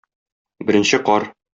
Беренче кар.